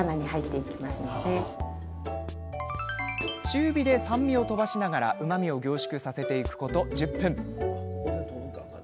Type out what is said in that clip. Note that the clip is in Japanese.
中火で酸味を飛ばしながらうまみを凝縮させていくこと１０分。